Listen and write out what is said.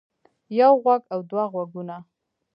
يو غوږ او دوه غوږونه